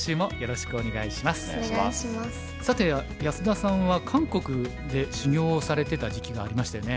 さて安田さんは韓国で修業をされてた時期がありましたよね。